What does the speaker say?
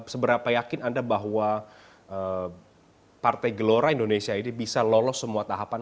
seberapa yakin anda bahwa partai gelora indonesia ini bisa lolos semua tahapan